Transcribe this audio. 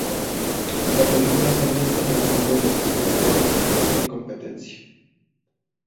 La película se ambienta en el mundo del Snowboarding de competencia.